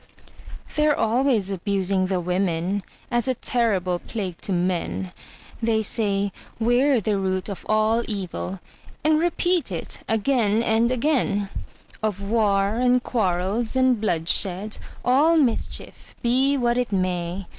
They're always abusing the women, As a terrible plague to men; They say we're the root of all evil, And repeat it again and again Of war, and quarrels, and bloodshed, All mischief, be what it may.